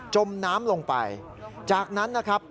จมน้ำลงไปจากนั้นนะครับ